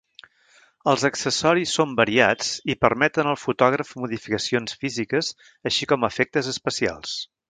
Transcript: Els accessoris són variats i permeten al fotògraf modificacions físiques, així com efectes especials.